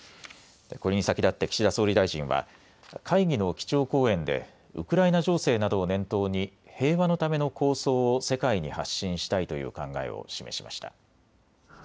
これに先立って岸田総理大臣は会議の基調講演でウクライナ情勢などを念頭に平和のための構想を世界に発信したいという考えを示しました。